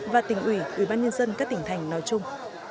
và tỉnh ủy ủy ban nhân dân các tỉnh thành nói chung